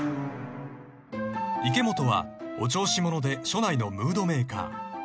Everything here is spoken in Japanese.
［池本はお調子者で署内のムードメーカー］